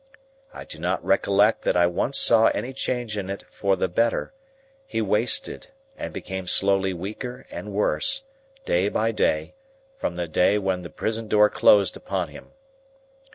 I do not recollect that I once saw any change in it for the better; he wasted, and became slowly weaker and worse, day by day, from the day when the prison door closed upon him.